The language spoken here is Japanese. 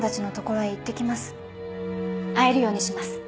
会えるようにします。